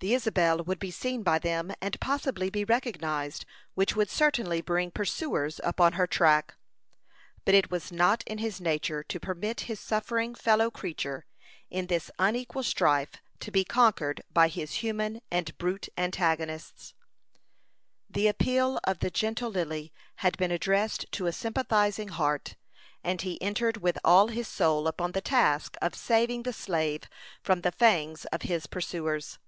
The Isabel would be seen by them, and possibly be recognized, which would certainly bring pursuers upon her track. But it was not in his nature to permit his suffering fellow creature, in this unequal strife, to be conquered by his human and brute antagonists. The appeal of the gentle Lily had been addressed to a sympathizing heart, and he entered with all his soul upon the task of saving the slave from the fangs of his pursuers.